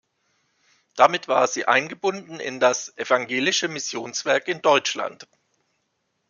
Damit war sie eingebunden in das "Evangelische Missionswerk in Deutschland".